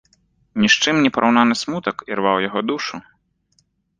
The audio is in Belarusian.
Ні з чым непараўнаны смутак ірваў яго душу.